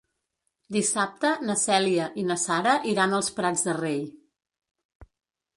Dissabte na Cèlia i na Sara iran als Prats de Rei.